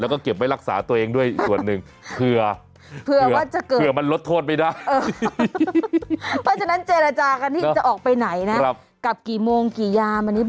แล้วก็เก็บไว้รักษาตัวเองด้วยส่วนหนึ่งเผื่อเผื่อมันลดโทษไปได้ฮ่า